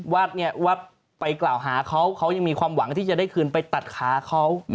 วัดเนี่ยวัดไปกล่าวหาเขาเขายังมีความหวังที่จะได้คืนไปตัดขาเขา